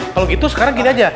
kalau gitu sekarang gini aja